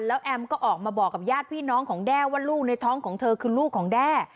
แล้วแอมก็ออกมาบอกกับญาติพี่น้องของแด้ว่าลูกในท้องของเธอคือลูกของแด้